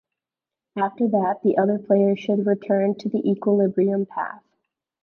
After that, the other players should return to the equilibrium path.